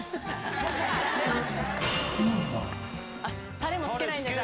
タレもつけないんです。